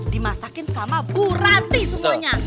dimasakin sama bu ranti semuanya